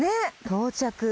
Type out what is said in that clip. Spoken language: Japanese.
到着。